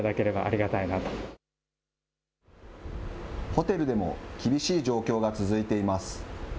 ホテルでも厳しい状況が続いています。